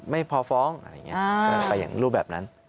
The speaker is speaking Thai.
ไม่พอฟ้องอะไรอย่างนี้ไปอย่างรูปแบบนั้น